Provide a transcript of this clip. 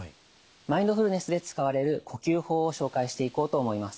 マインドフルネスで使われる呼吸法を紹介していこうと思います。